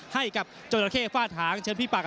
ให้กับจรเผคเกฟ่าฐาง